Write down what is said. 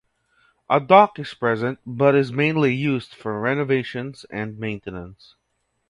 A dock is present but is mainly used for renovations and maintenance.